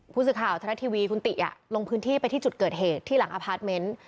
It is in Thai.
ผู้สื่อข่าวทรัฐทีวีคุณติลงพื้นที่ไปที่จุดเกิดเหตุที่หลังอพาร์ทเมนต์